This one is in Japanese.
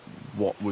無理。